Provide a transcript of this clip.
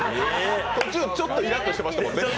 途中、ちょっとイラッとしてましたよね。